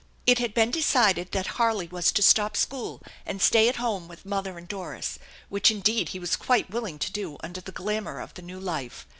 It had been decided that Harley was to stop school and stay at home with mother and Doris, which indeed he was quite willing to do under the glamour of the new life.